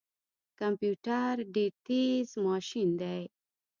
کمپيوټر ډیر تیز ماشین دی